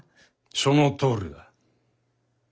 そのとおりだ。